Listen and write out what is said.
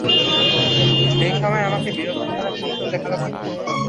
এই সময়ে আমাকে বিরক্ত করার সাহস দেখালো কে?